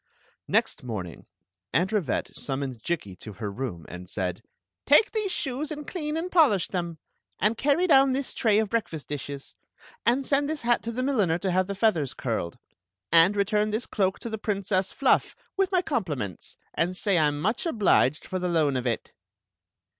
Next morning Aunt Rivette summoned Jikki to her room, and said : "Take these shoes and clean and polish them; and carry down this tray of breakfast dishes; and send this hat to the milliner to have the feathers curied; and return this cloak to riie Princess Fluff, with my com pliments, and say I m much obliged for the loan of it."